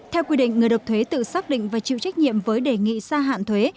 theo quy định người độc thuế tự xác định và chịu trách nhiệm với đề nghị gia hạn thuế